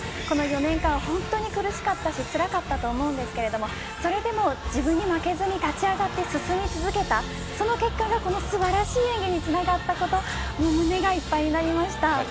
この４年間本当に苦しかったし辛かったと思いますがそれでも自分に負けず立ち上がって進み続けたその結果がその素晴らしい演技につながったと胸がいっぱいになりました。